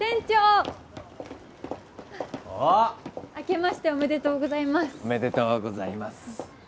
長あっ明けましておめでとうございますおめでとうございます